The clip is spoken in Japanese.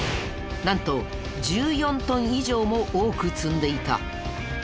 なんと１４トン以上も多く積んでいた。